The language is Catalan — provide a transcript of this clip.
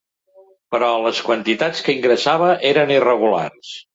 Però les quantitats que ingressava eren irregulars.